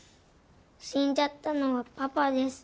死んじゃったのはパパです。